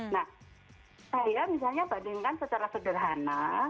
nah saya misalnya bandingkan secara sederhana